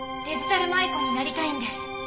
デジタル舞子になりたいんです。